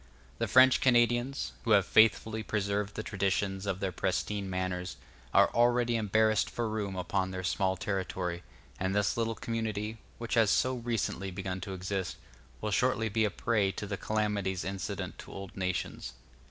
The French Canadians, who have faithfully preserved the traditions of their pristine manners, are already embarrassed for room upon their small territory; and this little community, which has so recently begun to exist, will shortly be a prey to the calamities incident to old nations.